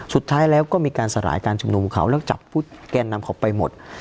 สุดท้ายแล้วก็มีการสลายการชุมนุมของเขาแล้วจับผู้แกนนำเขาไปหมด